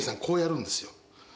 こうやるんですよ。